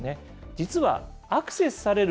実はアクセスされる